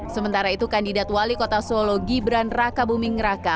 sementara itu kandidat wali kota solo gibran raka buming raka